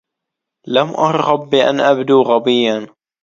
لم أرغب بأن أبدوا غبيا.